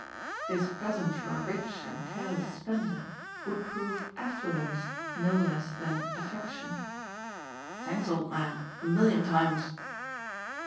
This present from a rich and careless spender would prove affluence no less than affection. "Thanks, old man, a million times."